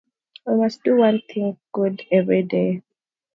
We must do one thing good everyday.